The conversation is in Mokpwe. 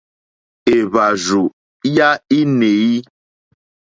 Èhvàrzù ya inèi.